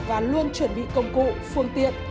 và luôn chuẩn bị công cụ phương tiện